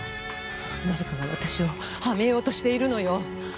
誰かが私をはめようとしているのよ。